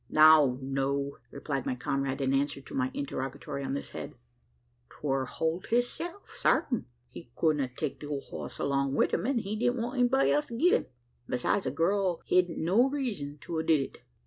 "No, no!" replied my comrade, in answer to my interrogatory on this head: "'twar Holt hisself, sartin. He culdn't take the old hoss along wi' him, an' he didn't want anybody else to git him. Besides, the girl hedn't no reezun to a did it.